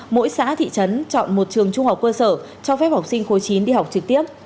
mỗi xã thị trấn chọn một trường trung học cơ sở cho phép học sinh khối chín đi học trực tiếp